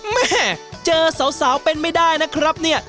แม่เจอสาวเป็นไม่ได้นะครับเนี่ย